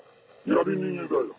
やり逃げだよ。